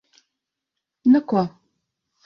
Nu ko...